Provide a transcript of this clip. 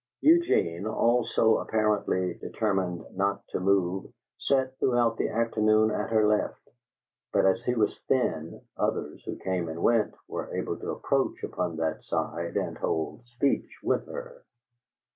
Eugene, also apparently determined not to move, sat throughout the afternoon at her left, but as he was thin, others, who came and went, were able to approach upon that side and hold speech with her.